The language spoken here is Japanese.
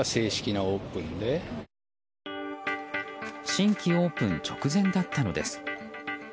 新規オープン直前だったのです。